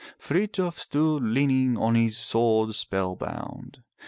Frithjof stood leaning on his sword spellbound.